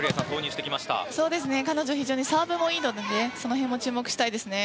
彼女はサーブもいいのでその辺も注目したいですね。